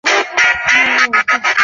是山田秀树所作的日本漫画作品。